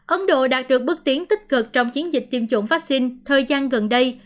ấn độ đạt được bước tiến tích cực trong chiến dịch tiêm chủng vaccine thời gian gần đây